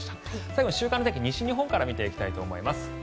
最後に週間天気、西日本から見ていきたいと思います。